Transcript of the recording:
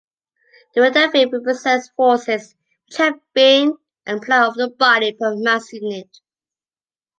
The vector field represents forces which have been applied over a body per mass unit.